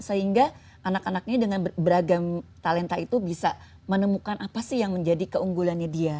sehingga anak anak ini dengan beragam talenta itu bisa menemukan apa sih yang menjadi keunggulannya dia